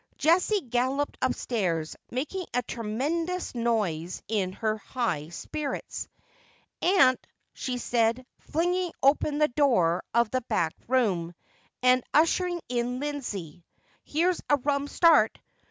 Jessie galloped upstairs, making a tremendous noise in her high spirits. ' A unt,' she said, flinging open the door of the back room, and ushering in Lizzie, ' here's a rum start